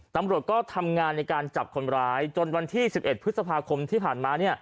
ตำรวจก็ทำงานในการจับคนร้ายจนวันที่๑๑พฤษภาคมที่ผ่านมา